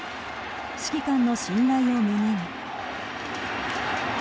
指揮官の信頼を胸に。